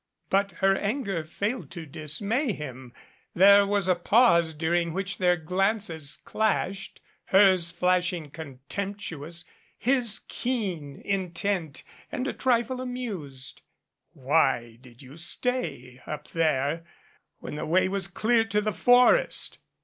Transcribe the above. But her anger failed to dismay him. There was a pause during which their glances clashed, hers flashing, contemptuous his keen, intent and a trifle amused. "Why did you stay up there when the way was clear to the forest."